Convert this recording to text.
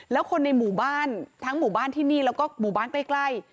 แล้วคนในหมู่บ้านทั้งหมู่บ้านที่นี่แล้วก็หมู่บ้านใกล้